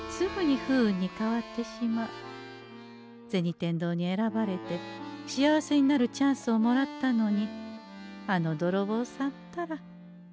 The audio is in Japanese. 天堂に選ばれて幸せになるチャンスをもらったのにあのどろぼうさんったら。